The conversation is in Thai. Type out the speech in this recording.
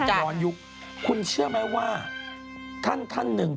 ใช่ครับคุณเชื่อไหมว่าท่านหนึ่ง